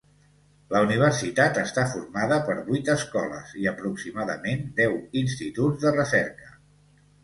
La universitat està formada per vuit escoles i aproximadament deu instituts de recerca.